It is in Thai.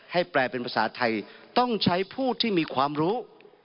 แปลเป็นภาษาไทยต้องใช้ผู้ที่มีความรู้